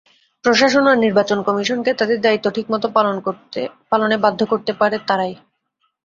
প্রশাসন আর নির্বাচন কমিশনকে তাদের দায়িত্ব ঠিকমতো পালনে বাধ্য করতে পারে তারাই।